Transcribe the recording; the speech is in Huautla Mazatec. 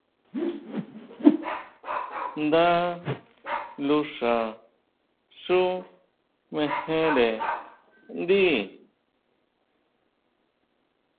Ndá luxa xú mejere ndíi.